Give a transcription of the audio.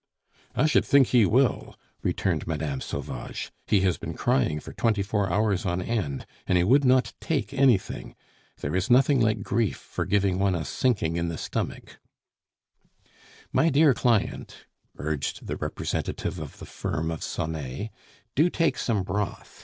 "I should think he will!" returned Mme. Sauvage. "He has been crying for twenty four hours on end, and he would not take anything. There is nothing like grief for giving one a sinking in the stomach." "My dear client," urged the representative of the firm of Sonet, "do take some broth.